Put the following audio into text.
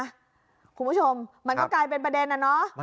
คุณผู้ชมมันก็กลายเป็นประเด็นนะเนาะ